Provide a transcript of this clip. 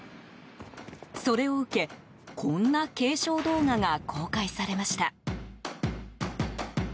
それを受け、こんな警鐘動画が公開されました。